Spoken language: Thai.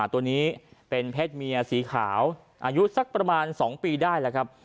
ตัวนี้เป็นเพศเมียสีขาวอายุสักประมาณ๒ปีได้แล้วครับ